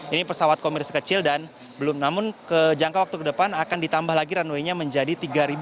ini pesawat komersi kecil dan belum namun kejangka waktu ke depan akan ditambah lagi runwaynya menjadi tiga tiga ratus